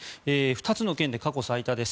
２つの県で過去最多です。